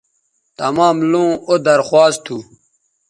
تمام لوں او درخواست تھو